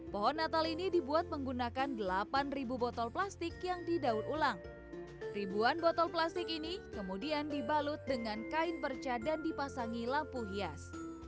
pohon natal ini dibuat menggunakan delapan botol plastik yang didaur ulang ribuan botol plastik ini kemudian dibalut dengan kain perca dan dipasangi lampu hias